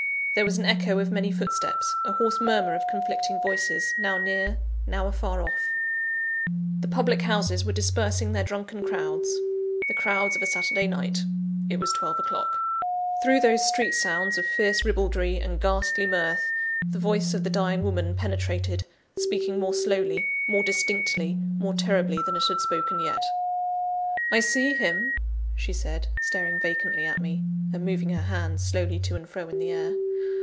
There was an echo of many footsteps, a hoarse murmur of conflicting voices, now near, now afar off. The public houses were dispersing their drunken crowds the crowds of a Saturday night: it was twelve o'clock. Through those street sounds of fierce ribaldry and ghastly mirth, the voice of the dying woman penetrated, speaking more slowly, more distinctly, more terribly than it had spoken yet. "I see him," she said, staring vacantly at me, and moving her hands slowly to and fro in the air.